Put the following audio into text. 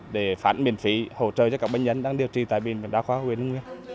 để phán miễn phí hỗ trợ cho các bệnh nhân đang điều trị tại bệnh viện đa khoa huyện hưng nguyên